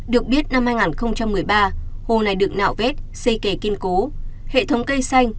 được biết năm hai nghìn một mươi ba hồ này được nạo vét xây kề kiên cố hệ thống cây xanh